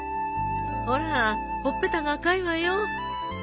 ほらほっぺたが赤いわよ。